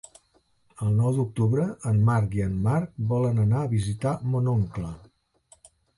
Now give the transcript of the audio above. El nou d'octubre en Marc i en Marc volen anar a visitar mon oncle.